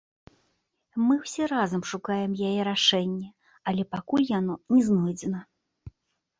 Мы ўсе разам шукаем яе рашэнне, але пакуль яно не знойдзена.